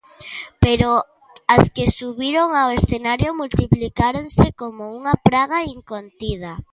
Pero as que subiron ao escenario multiplicáronse como unha praga incontida.